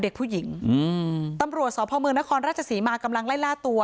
เด็กผู้หญิงตำรวจสพมนรศมากำลังไล่ล่าตัว